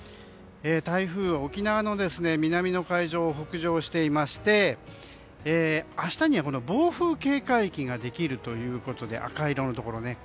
台風は沖縄の南の海上を北上していまして明日には暴風警戒域ができるということで赤色のところ。